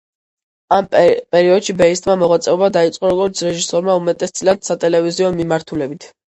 ამ პერიოდში ბეიტსმა მოღვაწეობა დაიწყო როგორც რეჟისორმა, უმეტესწილად სატელევიზიო მიმართულებით.